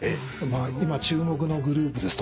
「今注目のグループです」とかっていう。